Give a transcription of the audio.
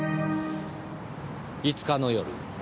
５日の夜